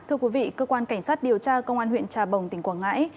thưa quý vị cơ quan cảnh sát điều tra công an huyện trà bồng tỉnh quảng ngãi